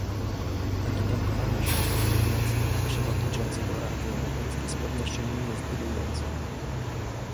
Takie targowanie się o nominacje na Przewodniczącego Rady Europejskiej z pewnością nie jest budujące